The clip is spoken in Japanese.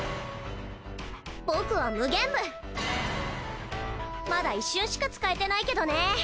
僕はムゲンブまだ一瞬しか使えてないけどね